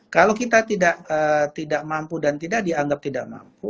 kalau kita tidak mampu dan tidak dianggap tidak mampu